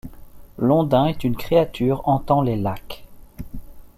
L'ondin est une créature hantant les lacs.